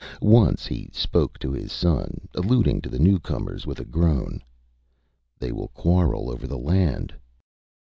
Once he spoke to his son, alluding to the newcomers with a groan: ÂThey will quarrel over the land.